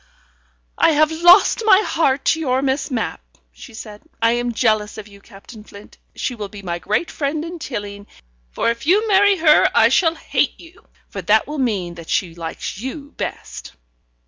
"I have lost my heart to your Miss Mapp," she said. "I am jealous of you, Captain Flint. She will be my great friend in Tilling, and if you marry her, I shall hate you, for that will mean that she likes you best."